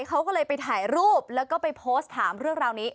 เขาก็เลยไปถ่ายรูปแล้วก็ไปโพสต์ถามเรื่องราวนี้